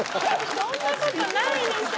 そんなことないでしょ。